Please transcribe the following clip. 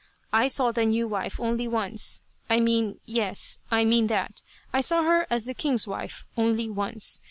I saw the new wife only once. I mean, yes I mean that. I saw her as the king's wife only once.